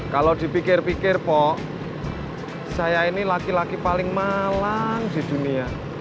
kalau dipikir pikir po saya ini laki laki paling malang di dunia